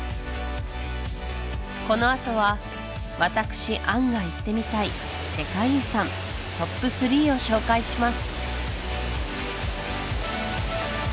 このあとは私杏が行ってみたい世界遺産ＴＯＰ３を紹介します